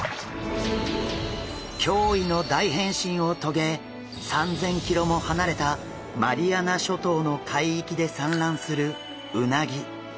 驚異の大変身を遂げ３，０００ｋｍも離れたマリアナ諸島の海域で産卵するうなぎ。